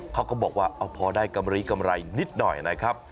เขาก็บอกว่าเอาพอได้กำไรนิดหน่อยนะครับ